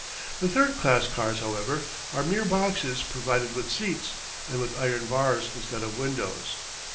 The third class cars, however, are mere boxes provided with seats, and with iron bars instead of windows.